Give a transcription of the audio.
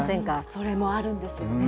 それもあるんですよね。